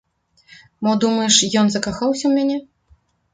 Мо, думаеш, ён закахаўся ў мяне?